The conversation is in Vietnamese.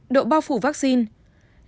độ bao phủ vaccine